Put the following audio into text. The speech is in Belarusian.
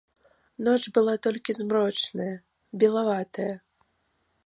Ноч была толькі змрочная, белаватая.